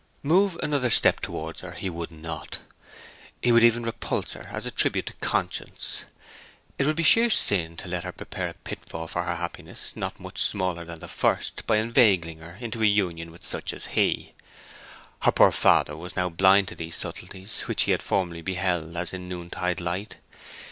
Move another step towards her he would not. He would even repulse her—as a tribute to conscience. It would be sheer sin to let her prepare a pitfall for her happiness not much smaller than the first by inveigling her into a union with such as he. Her poor father was now blind to these subtleties, which he had formerly beheld as in noontide light.